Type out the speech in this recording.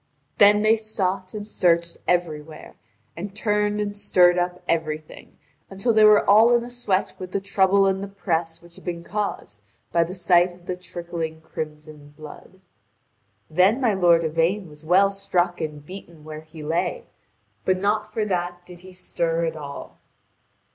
Then they sought and searched everywhere, and turned and stirred up everything, until they were all in a sweat with the trouble and the press which had been caused by the sight of the trickling crimson blood. Then my lord Yvain was well struck and beaten where he lay, but not for that did he stir at all.